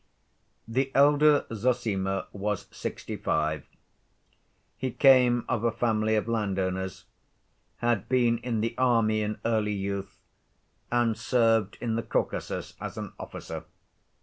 The elder Zossima was sixty‐five. He came of a family of landowners, had been in the army in early youth, and served in the Caucasus as an officer.